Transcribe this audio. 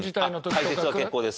解説は結構です。